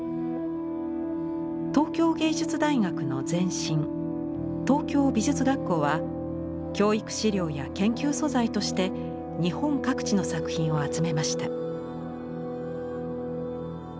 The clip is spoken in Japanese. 東京藝術大学の前身東京美術学校は教育資料や研究素材として日本各地の作品を集めました。